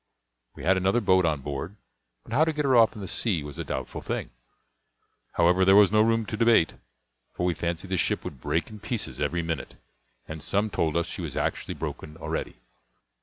We had another boat on board; but how to get her off into the sea was a doubtful thing; however, there was no room to debate, for we fancied the ship would break in pieces every minute, and some told us she was actually broken already.